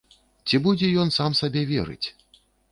Ці будзе ён сам сабе верыць?